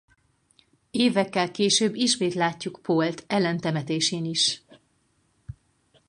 Évekkel később ismét látjuk Paul-t Elaine temetésén is.